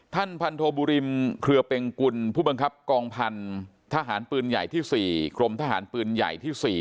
ท่านพันธบุริมเคลือเป็งกุลผู้บังคับกองพันธ์ทหารปืนใหญ่ที่๔